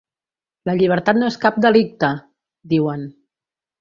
La llibertat no és cap delicte!, diuen.